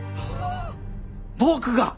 僕が？